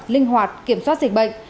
linh hoạt kiểm soát dịch bệnh